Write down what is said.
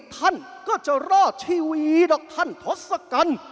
ท่านก็จะรอดชีวิตหรอกท่านทศกัณฐ์